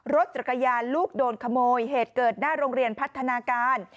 รถจักรยานลูกโดนขโมยเหตุเกิดหน้าโรงเรียนพัฒนาการ